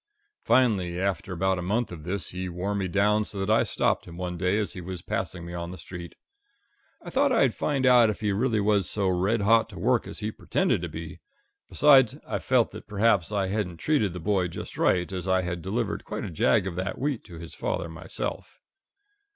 Finally, after about a month of this, he wore me down so that I stopped him one day as he was passing me on the street. I thought I'd find out if he really was so red hot to work as he pretended to be; besides, I felt that perhaps I hadn't treated the boy just right, as I had delivered quite a jag of that wheat to his father myself.